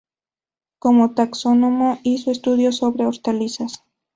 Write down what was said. Como taxónomo hizo estudios sobre hortalizas.